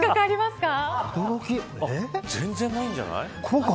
全然ないんじゃない。